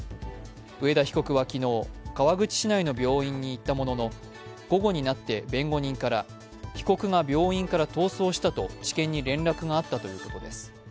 上田被告は昨日、川口市内の病院に行ったものの午後になって弁護人から被告が病院から逃走したと地検に連絡があったということです。